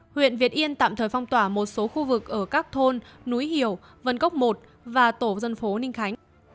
huyện việt yên tạm thời phong tỏa một số khu vực ở các thôn núi hiểu vân cốc một và tổ dân phố ninh khánh